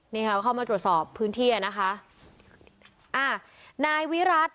นี่เข้ามาตรวจสอบพื้นที่น่ะค่ะ